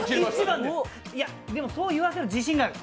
でも、そう言わせる自信がある。